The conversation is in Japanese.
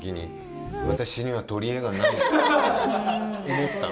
思ったの？